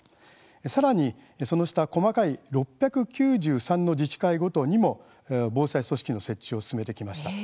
さらに、その下細かい６９３の自治会ごとにも防災組織の設置を進めてきました。